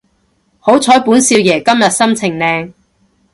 好彩本少爺今日心情靚